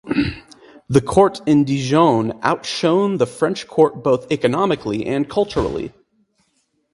The court in Dijon outshone the French court both economically and culturally.